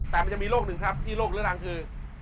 แต่มันจะมีโรคหนึ่งครับที่โรคเรื้อรังคือ